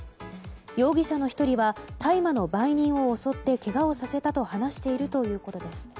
容疑者の１人は大麻の売人を襲ってけがをさせたと話しているということです。